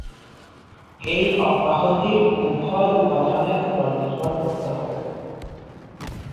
এই অব্যাহতির উভয় উপাদানের উপর নির্ভর করতে হবে।